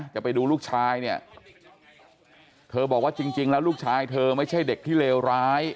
จะไปดูลูกชายเนี่ยเธอบอกว่าจริงแล้วลูกชายเธอไม่ใช่เด็กที่เลวร้าย